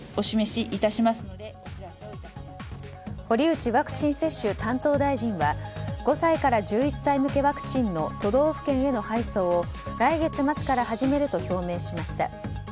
堀内ワクチン接種担当大臣は５歳から１１歳向けワクチンの都道府県への配送を来月末から始めると表明しました。